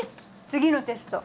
次のテスト。